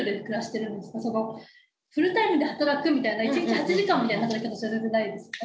フルタイムで働くみたいな１日８時間みたいな働き方されてないですよね？